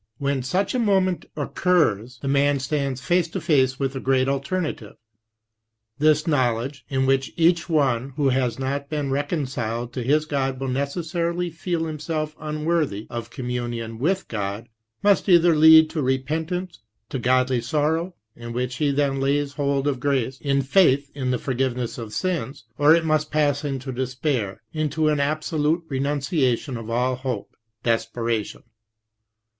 When 136 PUNITIVE RIGHTEOUSNESS such a moment occurs, the man stands face to face with a great alternative. This knowledge, in which each one who has not been reconciled to his God will necessarily feel him self unworthy of communion with God, must either lead to repentance, to godly sorrow, in which he then lays hold of grace, in faith in the forgiveness of sins ; or it must pass into despair, into an absolute renunciation of all hope (desperation).